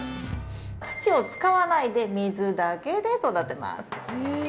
土を使わないで、水だけで育てます。